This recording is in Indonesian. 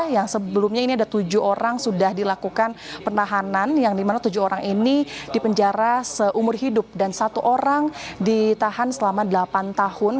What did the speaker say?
yang sebelumnya ini ada tujuh orang sudah dilakukan penahanan yang dimana tujuh orang ini dipenjara seumur hidup dan satu orang ditahan selama delapan tahun